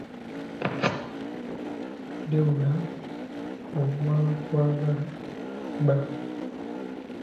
Debula olw'okwagala bba